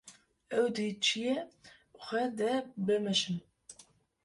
Em di cihê xwe de bimeşin.